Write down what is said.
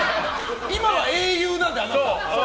今は英雄なので、あなた。